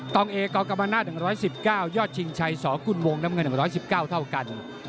องเอกกรรมนาศ๑๑๙ยอดชิงชัยสกุลวงน้ำเงิน๑๑๙เท่ากัน